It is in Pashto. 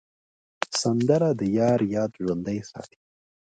سندره د یار یاد ژوندی ساتي